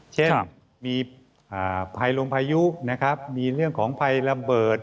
เช่นมีภัยลงพายุนะครับมีเรื่องของภัยระเบิด